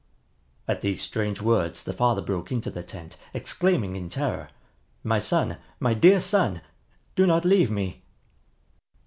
At these strange words the father broke into the tent, exclaiming in terror, "My son, my dear son! Do not leave me!"